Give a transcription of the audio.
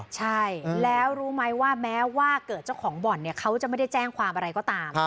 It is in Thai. ใช่แล้วรู้ไหมว่าแม้ว่าเกิดเจ้าของบ่อนเขาจะไม่ได้แจ้งความอะไรก็ตาม